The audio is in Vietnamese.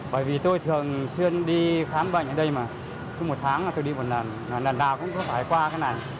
bởi vì tôi thường xuyên đi khám bệnh ở đây mà cứ một tháng là tôi đi một lần là lần nào cũng có phải qua cái này